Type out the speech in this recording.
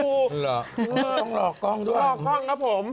ของหลอกกล้องด้วย